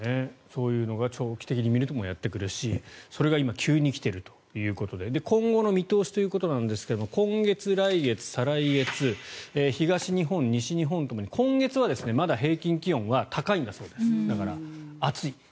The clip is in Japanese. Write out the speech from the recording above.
そういうのが長期的に見てもやってくるしそれが今、急に来ているということで今後の見通しということなんですが今月、来月、再来月東日本、西日本ともに今月はまだ平均気温は高いんだそうですだから暑い。